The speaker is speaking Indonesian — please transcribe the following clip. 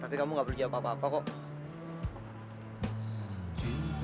tapi kamu tidak perlu menjawab apa apa kok